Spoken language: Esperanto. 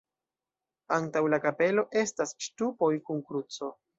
Antaŭ la kapelo estas ŝtupoj kun kruco.